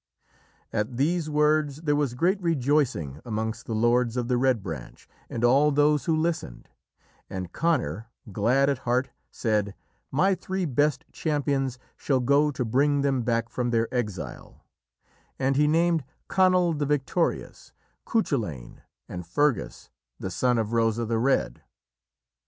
At these words there was great rejoicing amongst the lords of the Red Branch and all those who listened, and Conor, glad at heart, said, "My three best champions shall go to bring them back from their exile," and he named Conall the Victorious, Cuchulainn, and Fergus, the son of Rossa the Red.